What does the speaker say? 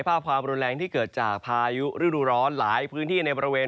ภาพความรุนแรงที่เกิดจากพายุฤดูร้อนหลายพื้นที่ในบริเวณ